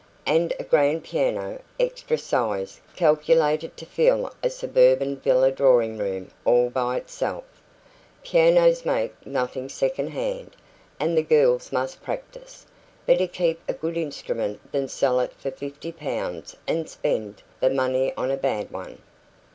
"And a grand piano, extra sized, calculated to fill a suburban villa drawing room all by itself " "Pianos make nothing second hand, and the girls must practise. Better keep a good instrument than sell it for fifty pounds and spend the money on a bad one."